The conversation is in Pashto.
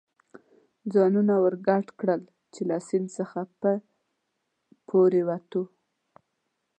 ځانونه ور ګډ کړل، چې له سیند څخه په پورېوتو و.